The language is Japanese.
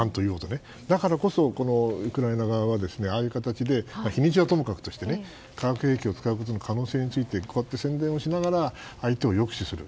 だからこそ、ウクライナ側はああいう形で日にちはともかくとして化学兵器を使うことの可能性について宣伝をしながら相手を抑止する。